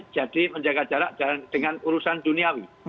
jadi menjaga jarak dengan urusan duniawi